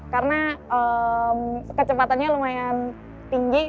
karena kecepatannya lumayan tinggi